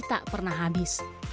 jadi tak pernah habis